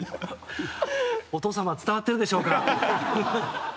お父様伝わっているでしょうか？